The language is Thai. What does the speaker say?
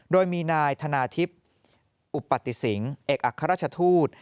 โดยมีนายธนาทิพย์อุปติสิงศ์เอกอัครราชทูต